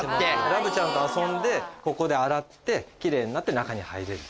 ラブちゃんと遊んでここで洗って奇麗になって中に入れる。